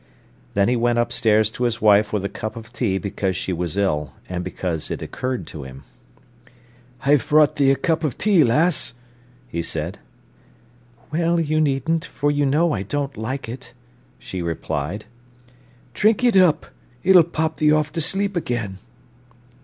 Then he went upstairs to his wife with a cup of tea because she was ill, and because it occurred to him. "I've brought thee a cup o' tea, lass," he said. "Well, you needn't, for you know I don't like it," she replied. "Drink it up; it'll pop thee off to sleep again."